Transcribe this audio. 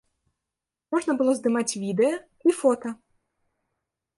Можна было здымаць відэа і фота.